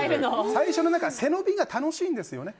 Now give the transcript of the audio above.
最初の背伸びが楽しいんですよね。